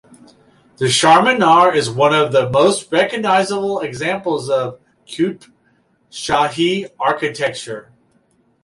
The Charminar is one of the most recognizable examples of Qutb Shahi architecture.